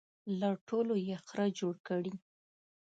له ټولو یې خره جوړ کړي.